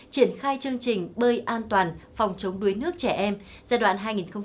triển khai chương trình bơi an toàn phòng chống đuối nước trẻ em giai đoạn hai nghìn một mươi chín hai nghìn hai mươi